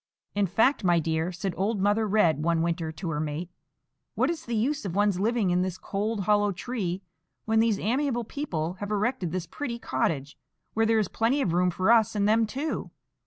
"In fact, my dear," said old Mother Red one winter to her mate, "what is the use of one's living in this cold, hollow tree, when these amiable people have erected this pretty cottage, where there is plenty of room for us and them too?